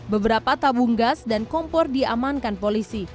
beberapa tabung gas dan kompor diamankan polisi